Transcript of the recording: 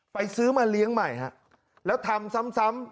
ซื้อมาเลี้ยงใหม่ฮะแล้วทำซ้ำ